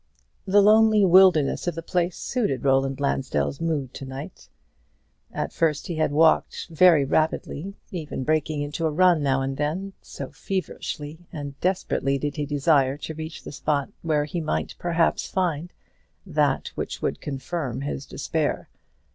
The lonely wildness of the place suited Roland Lansdell's mood to night. At first he had walked very rapidly, even breaking into a run now and then; so feverishly and desperately did he desire to reach the spot where he might perhaps find that which would confirm his despair.